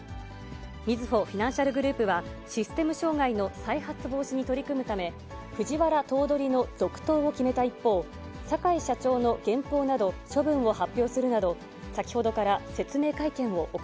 みずほフィナンシャルグループは、システム障害の再発防止に取り組むため、藤原頭取の続投を決めた一方、坂井社長の減俸など処分を発表するなど、先ほどから説明会見を行